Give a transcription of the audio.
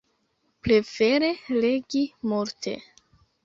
Prefere legi multe.